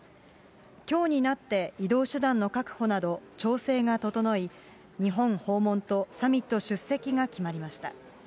きょうになって移動手段の確保など、調整が整い、日本訪問とサミット出席が決まりました。